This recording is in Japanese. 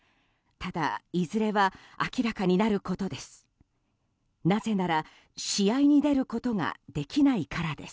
ただ、いずれは明らかになることです。